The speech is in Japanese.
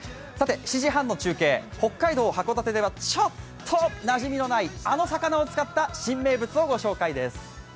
７時半の中継、北海道函館ではちょっとなじみのない、あの魚を使った新名物を御紹介です。